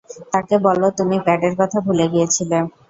তাকে বলো তুমি প্যাডের কথা ভুলে গিয়েছিলে।